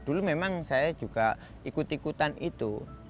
dulu memang saya juga ikut ikutan itu